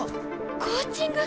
コーチング！